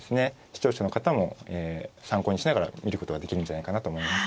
視聴者の方も参考にしながら見ることができるんじゃないかなと思います。